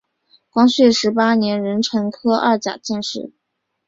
光绪十八年壬辰科二甲进士。